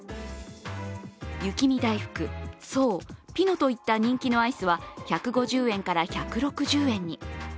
雪見だいふく、爽、ピノといった人気のアイスは１５０円から１６０円に。